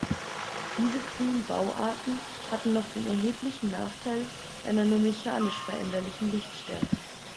Diese frühen Bauarten hatten noch den erheblichen Nachteil einer nur mechanisch veränderlichen Lichtstärke.